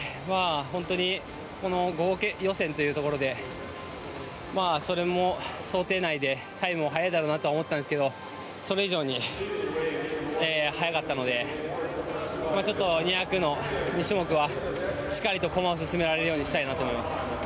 この予選というところでそれも想定内でタイムも速いだろうなとは思ったんですけどそれ以上に速かったのでちょっと２００の２種目はしっかりと駒を進められるようにしたいなと思います。